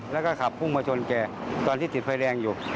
แล้วก็ขับพุ่งมาชนแกตอนที่ติดไฟแดงอยู่